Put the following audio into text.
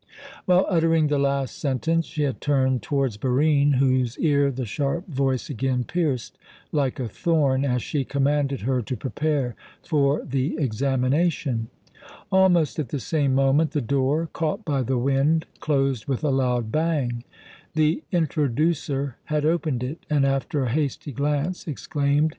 While uttering the last sentence she had turned towards Barine, whose ear the sharp voice again pierced like a thorn, as she commanded her to prepare for the examination. Almost at the same moment the door, caught by the wind, closed with a loud bang. The "introducer"* had opened it, and, after a hasty glance, exclaimed: [* Marshal of the court.